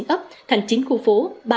bảy mươi chín ấp thành chín khu phố